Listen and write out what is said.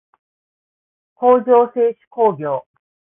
工場制手工業